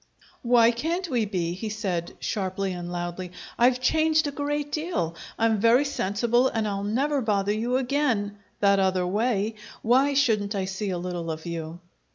"Why can't we be?" he said, sharply and loudly. "I've changed a great deal. I'm very sensible, and I'll never bother you again that other way. Why shouldn't I see a little of you?"